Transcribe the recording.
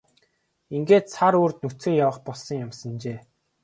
Ингээд сар үүрд нүцгэн явах болсон юмсанжээ.